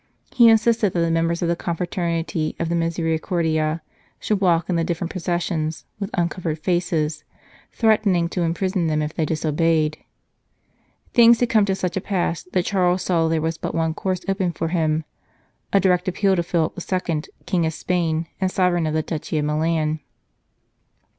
He insisted that the members of the Confraternity of the Misericordia should walk in the different processions with uncovered faces, threatening to imprison them if they disobeyed. Things had come to such a pass that Charles saw there was but one course open for him a direct appeal to Philip II., King of Spain, and Sovereign of the Duchy of Milan.